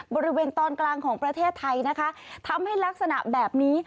บริเวณตอนกลางของประเทศไทยนะคะทำให้ลักษณะแบบนี้